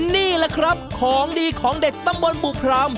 นี่แหละครับของดีของเด็ดตำบลบุพราม